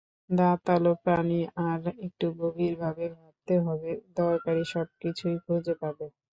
দাঁতালো প্রাণী, আর একটু গভীরভাবে ভাবতে হবে, দরকারী সবকিছুই খুঁজে পাবে।